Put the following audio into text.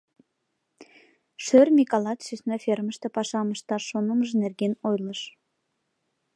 Шӧр Микалат сӧсна фермыште пашам ышташ шонымыж нерген ойлыш.